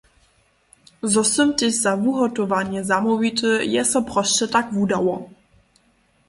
Zo sym tež za wuhotowanje zamołwity, je so prosće tak wudało.